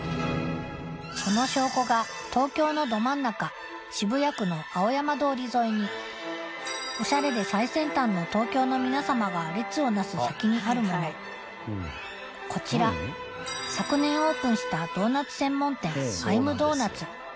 その証拠が東京のど真ん中渋谷区の青山通り沿いにおしゃれで最先端の東京の皆様が列をなす先にあるものこちら昨年オープンしたドーナツ専門店Ｉ’ｍｄｏｎｕｔ？